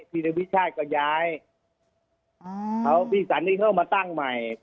พิธีวิชาติก็ย้ายอ๋อเอาพี่ศาลนี้เข้ามาตั้งใหม่